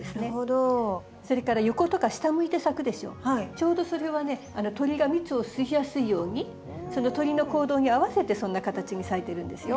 ちょうどそれはね鳥が蜜を吸いやすいようにその鳥の行動に合わせてそんな形に咲いてるんですよ。